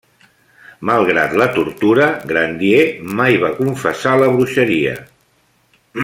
Malgrat la tortura, Grandier mai va confessar la bruixeria.